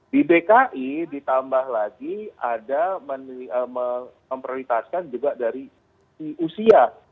di dki ditambah lagi ada memprioritaskan juga dari si usia